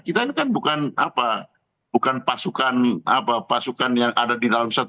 kita ini kan bukan apa bukan pasukan yang ada di dalam satu